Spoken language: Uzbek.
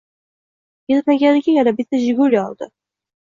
Etmaganiga yana bitta jiguli oldi